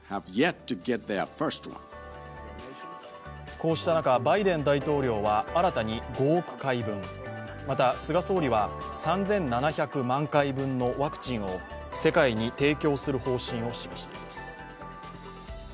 こうした中、バイデン大統領は新たに５億回分、また菅総理は３７００万回分のワクチンを世界に提供する方針を示しています。